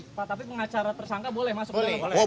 pak tapi pengacara tersangka boleh masuk ke sini